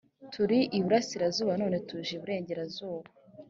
turi iburasirazuba none tuje iburengera zuba